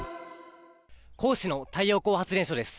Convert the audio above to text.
甲府市の太陽光発電所です。